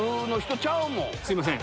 すいません